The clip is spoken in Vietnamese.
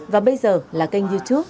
và bây giờ là kênh youtube